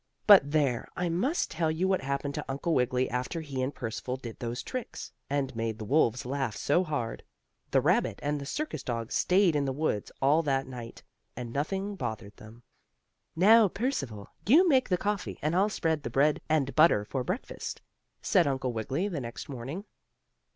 But there, I must tell you what happened to Uncle Wiggily after he and Percival did those tricks, and made the wolves laugh so hard. The rabbit and the circus dog stayed in the woods all that night, and nothing bothered them. "Now, Percival, you make the coffee, and I'll spread the bread and butter for breakfast," said Uncle Wiggily the next morning.